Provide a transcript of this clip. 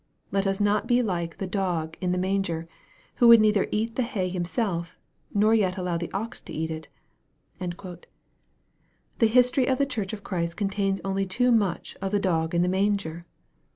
Let us not be like the dog in the manger, who would neither eat the hay himself, nor yet allow the ox to eat it." The history of the church of Christ contains only too much of the dog in the manger